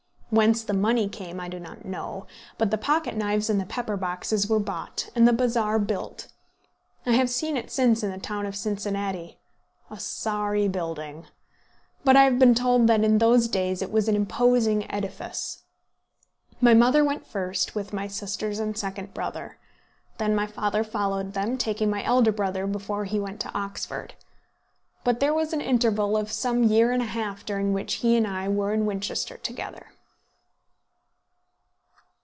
Whence the money came I do not know, but the pocket knives and the pepper boxes were bought, and the bazaar built. I have seen it since in the town of Cincinnati, a sorry building! But I have been told that in those days it was an imposing edifice. My mother went first, with my sisters and second brother. Then my father followed them, taking my elder brother before he went to Oxford. But there was an interval of some year and a half during which he and I were at Winchester together.